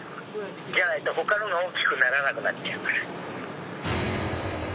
じゃないとほかのが大きくならなくなっちゃうから。